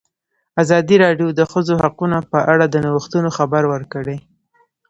ازادي راډیو د د ښځو حقونه په اړه د نوښتونو خبر ورکړی.